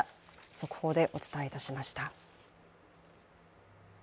速報でお伝えしました。